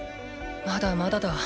まだまだだ。